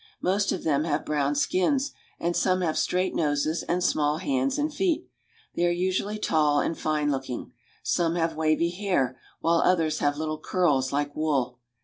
Most of them have brown skins, and some have straight noses and small hands and feet. They are usually tall and fine looking ; some have wavy hair while others have little curls like wool.